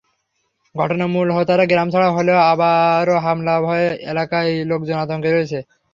ঘটনার মূল হোতারা গ্রামছাড়া হলেও আবারও হামলার ভয়ে এলাকার লোকজন আতঙ্কে রয়েছেন।